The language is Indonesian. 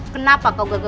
kenapa kau gak kekuatan